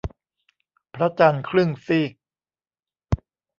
พระจันทร์ครึ่งซีก